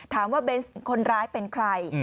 ถามว่าเบ้นซคนร้ายเป็นใคร